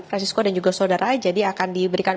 francisco dan juga saudara jadi akan diberikan